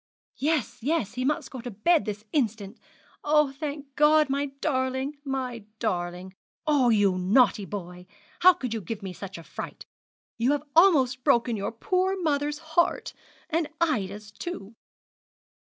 'Yes, yes, he must go to bed this instant. Oh, thank God, my darling, my darling! Oh, you naughty boy, how could you give me such a fright! You have almost broken your poor mother's heart, and Ida's too.'